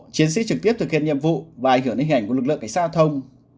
chiến sĩ trực tiếp thực hiện nhiệm vụ và ảnh hưởng hình ảnh của lực lượng cảnh sát giao thông